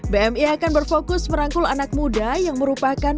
bmi akan berfokus merangkul anak muda yang merupakan